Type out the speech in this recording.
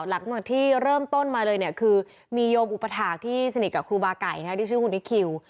หลังจากที่เริ่มต้นมาเลยเนี่ยคือมีโยมอุปถาคที่สนิทกับครูบาไก่ที่ชื่อคุณนิคคิว